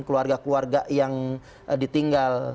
keluarga keluarga yang ditinggal